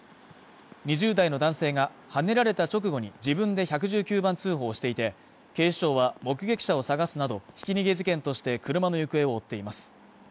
２０代の男性がはねられた直後に、自分で１１９番通報していて、警視庁は目撃者を探すなど、ひき逃げ事件として車の行方を追っています。